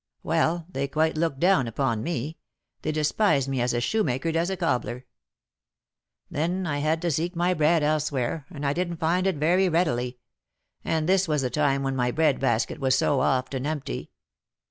Well, they quite looked down upon me; they despised me as a shoemaker does a cobbler. Then I had to seek my bread elsewhere, and I didn't find it very readily; and this was the time when my bread basket was so often empty.